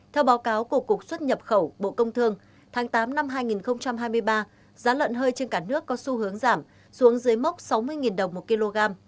theo báo cáo của cục xuất nhập khẩu bộ công thương tháng tám năm hai nghìn hai mươi ba giá lợn hơi trên cả nước có xu hướng giảm xuống dưới mốc sáu mươi đồng một kg